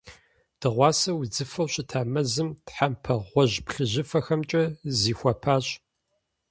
Дыгъуасэ удзыфэу щыта мэзым, тхьэмпэ гъуэжь-плъыжьыфэхэмкӏэ зихуапащ.